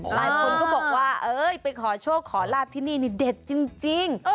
หลายคนก็บอกว่าเอ้ยไปขอโชคขอลาบที่นี่นี่เด็ดจริง